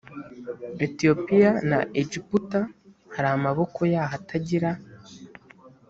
etiyopiya na egiputa hari amaboko yaho atagira